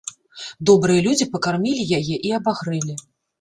Добрыя людзі пакармілі яе і абагрэлі.